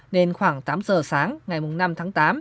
nên khoảng tám giờ sáng ngày năm tháng tám